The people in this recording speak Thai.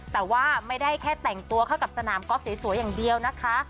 แต่ว่าไม่ได้แค่แต่งตัวเข้ากับสนามกอล์ฟสวยอย่างเดียวนะคะ